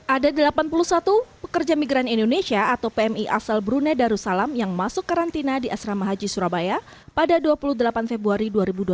ada delapan puluh satu pekerja migran indonesia atau pmi asal brunei darussalam yang masuk karantina di asrama haji surabaya pada dua puluh delapan februari dua ribu dua puluh satu